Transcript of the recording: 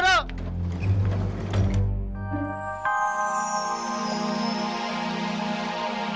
deh deh cabut